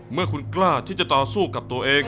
เมื่อคุณกล้าที่จะต่อสู้กับตัวเอง